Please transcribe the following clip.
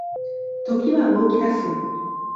時は動き出す